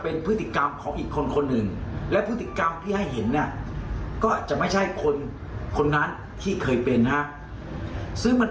ยังไม่ลงสัมผัสแต่ผมเชื่อก่อนเลยว่าเคสนี้